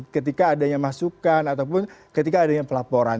ketika adanya masukan ataupun ketika adanya pelaporan